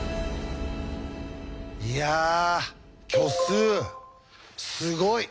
いや虚数すごい。